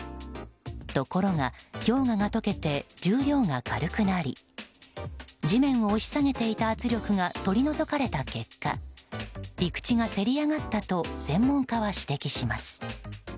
ところが氷河が解けて重量が軽くなり地面を押し下げていた圧力が取り除かれた結果陸地がせり上がったと専門家は指摘します。